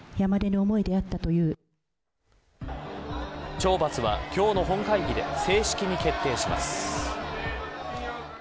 懲罰は、今日の本会議で正式に決定します。